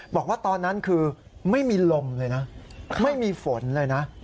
บอกว่าตอนนั้นคือไม่มีลมเลยนะไม่มีฝนเลยนะ